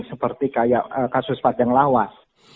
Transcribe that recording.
seperti kayak kasus padang lawas